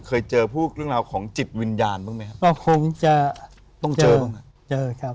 เคยเจอพูดเรื่องราวของนักโบราณคดีของจิตวิญญาณบ้างไหมครับ